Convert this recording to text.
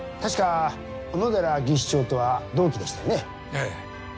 ええ。